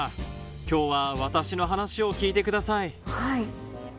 今日は私の話を聞いてくださいはい。